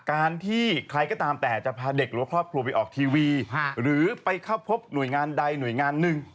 การที่ใครก็ตามแต่จะพาเด็กหรือว่าครอบครัวไปออกทีวีหรือไปเข้าพบหน่วยงานใดหน่วยงานหนึ่ง